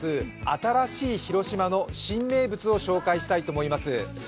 新しい広島の新名物を紹介したいと思います。